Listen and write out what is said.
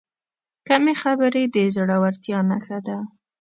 کمې خبرې، د زړورتیا نښه ده.